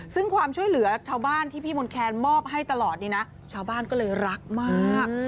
ซึ่งความช่วยเหลือชาวบ้านที่พี่มนต์แคนมอบให้ตลอดนี้นะชาวบ้านก็เลยรักมาก